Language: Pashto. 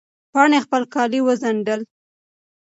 پاڼې خپل کالي وڅنډل.